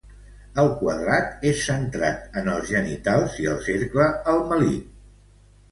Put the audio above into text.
El quadrat és centrat en els genitals, i el cercle al melic.